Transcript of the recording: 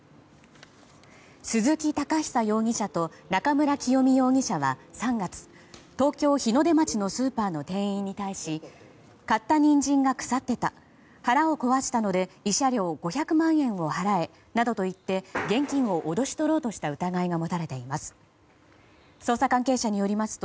鈴木崇央容疑者と中村清美容疑者は３月東京・日の出町のスーパーの店員に対し買ったニンジンが腐ってた腹を壊したので慰謝料５００万円を払えなどと言って現金を脅し取ろうとした疑いが持たれています。